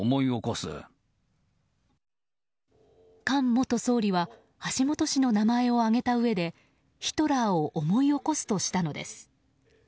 菅元総理は橋下氏の名前を挙げたうえでヒトラーを思い起こすとしたのです。